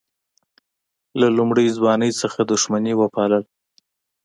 له لومړۍ ځوانۍ څخه دښمني وپالل.